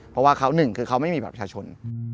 เพราะว่า๑เขาไม่มีบัตรประชาชน